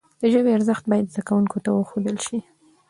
د ژبي ارزښت باید زدهکوونکو ته وښودل سي.